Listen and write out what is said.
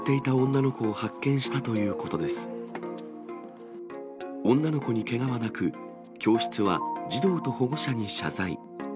女の子にけがはなく、教室は児童と保護者に謝罪。